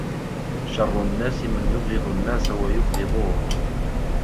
شَرُّ النَّاسِ مَنْ يُبْغِضُ النَّاسَ وَيُبْغِضُوهُ